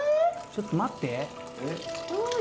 ちょっと待って。